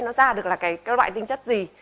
nó ra được là cái loại tinh chất gì